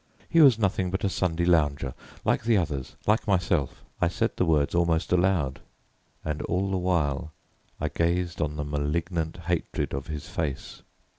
He was nothing but a Sunday lounger, like the others, like myself. I said the words almost aloud, and all the while I gazed on the malignant hatred of his face.